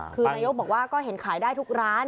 คือนายกบอกว่าก็เห็นขายได้ทุกร้าน